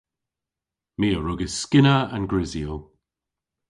My a wrug yskynna an grisyow.